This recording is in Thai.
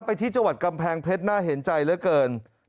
ไปที่จังหวัดกำแพงเพชรน่าเห็นใจแล้วกัน